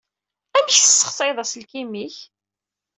Amek tessexsayeḍ aselkim-ik?